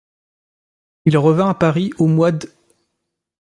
Il revint à Paris, au mois d'.